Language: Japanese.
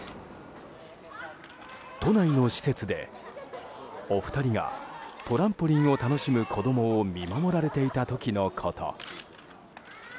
都内の施設でお二人がトランポリンを楽しむ子供を見守られていた時のこと。